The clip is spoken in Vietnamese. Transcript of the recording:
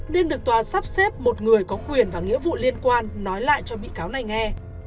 nên được tòa sắp xếp một người có quyền và nghĩa vụ liên quan nói lại cho bị cáo này nghe